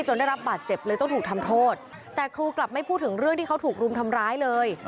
ได้รับบาดเจ็บเลยต้องถูกทำโทษแต่ครูกลับไม่พูดถึงเรื่องที่เขาถูกรุมทำร้ายเลย